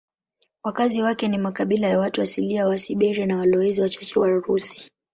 Wakazi wake ni makabila ya watu asilia wa Siberia na walowezi wachache Warusi.